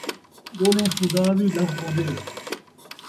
ڳولئیں خدا وی لبھ پون٘دے